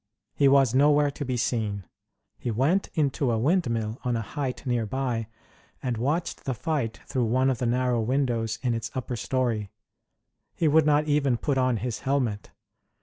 He was nowhere to be seen. He went into a windmill on a height nearby, and watched the fight through one of the narrow windows in its upper story. He would not even put on his helmet.